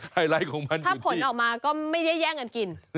ไลท์ของมันถ้าผลออกมาก็ไม่ได้แย่งกันกิน